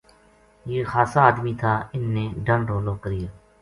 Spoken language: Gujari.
یہ خاصا ادمی تھا اِنھ نے ڈنڈ رولو کریو